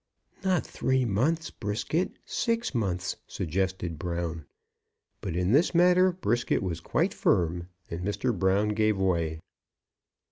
"Not three months, Brisket; six months," suggested Brown. But in this matter Brisket was quite firm, and Mr. Brown gave way.